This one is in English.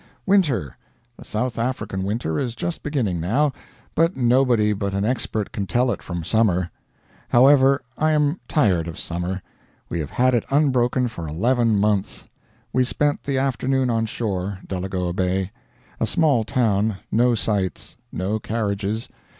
Winter. The South African winter is just beginning now, but nobody but an expert can tell it from summer. However, I am tired of summer; we have had it unbroken for eleven months. We spent the afternoon on shore, Delagoa Bay. A small town no sights. No carriages.